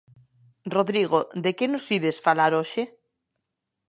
Rodrigo, de que nos ides falar hoxe?